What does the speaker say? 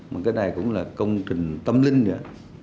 mà cái này cũng là công trình tâm linh nữa